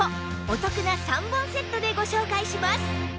お得な３本セットでご紹介します